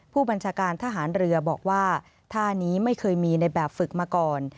ผู้บัญชาการทหารเรือบอกว่าท่านี้ไม่เคยมีในแบบฝึกมาก่อน